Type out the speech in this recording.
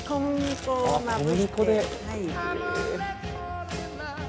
小麦粉で？